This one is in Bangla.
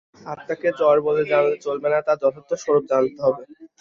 আত্মাকে জড় বলে জানলে চলবে না, তার যথার্থ স্বরূপ জানতে হবে।